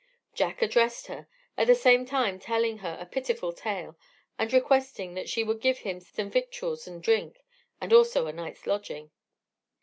Jack addressed her, at the same time telling her a pitiful tale, and requesting that she would give him some victuals and drink, and also a night's lodging.